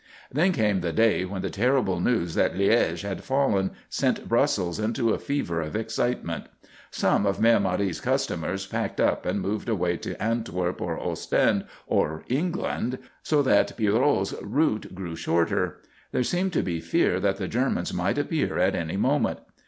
Then came the day when the terrible news that Liège had fallen sent Brussels into a fever of excitement. Some of Mère Marie's customers packed up and moved away to Antwerp or Ostend or England, so that Pierrot's route grew shorter. There seemed to be fear that the Germans might appear at any moment.